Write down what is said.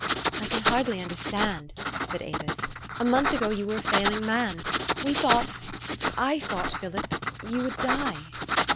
" I can hardly understand," said Avis :" a month ago you were a failing man. We thought I thought, Philip, you would die."